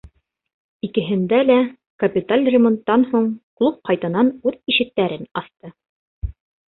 Икеһендә лә капиталь ремонттан һуң клуб ҡайтанан үҙ ишектәрен асты.